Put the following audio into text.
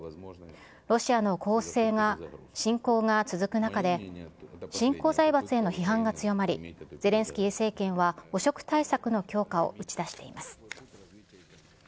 ロシアの侵攻が続く中で、新興財閥への批判が強まり、ゼレンスキー政権は汚職対策の強化を打ち出しています。